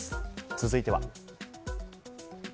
続いては。